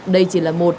đây chỉ là một